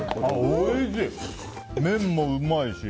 麺もうまいし！